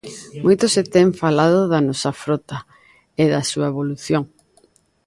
Moito se ten falado da nosa frota e da súa evolución.